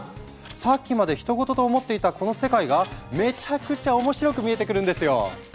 さっきまでひと事と思っていたこの世界がめちゃくちゃ面白く見えてくるんですよ！